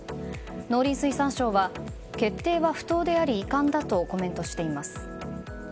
農林水産省は決定は不当であり遺憾だとコメントしています。